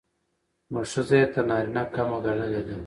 نو ښځه يې تر نارينه کمه ګڼلې ده.